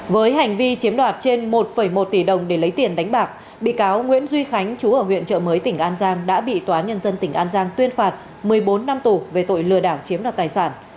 với hành vi chiếm đoạt trên một một tỷ đồng để lấy tiền đánh bạc bị cáo nguyễn duy khánh chú ở huyện trợ mới tỉnh an giang đã bị tòa án nhân dân tỉnh an giang tuyên phạt một mươi bốn năm tù về tội lừa đảo chiếm đoạt tài sản